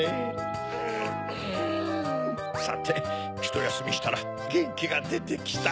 さてひとやすみしたらゲンキがでてきた。